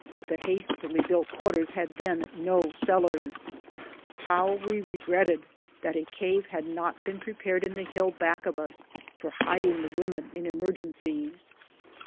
The hastily built quarters had then no cellars. How we regretted that a cave had not been prepared in the hill back of 162 BOOTS AND SADDLES. US for hiding the women in emergencies.